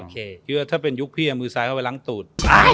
คือถ้าเป็นยุคพี่เอามือซ้ายเข้าไปล้างตูด